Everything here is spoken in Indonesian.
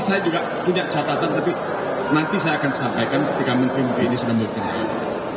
saya juga punya catatan tapi nanti saya akan sampaikan ketika menteri menteri ini sudah mengerti hal ini